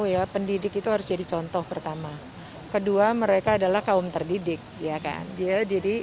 ya pendidik itu harus jadi contoh pertama kedua mereka adalah kaum terdidik ya kan dia jadi